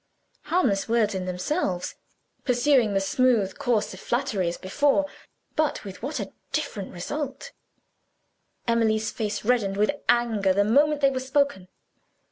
Harmless words in themselves, pursuing the same smooth course of flattery as before but with what a different result! Emily's face reddened with anger the moment they were spoken.